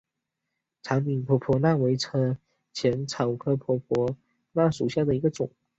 长柄婆婆纳为车前草科婆婆纳属下的一个种。